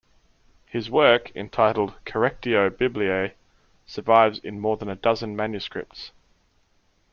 His work, entitled "Correctio Biblie", survives in more than a dozen manuscripts.